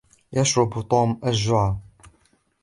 توم يشربة الجعة.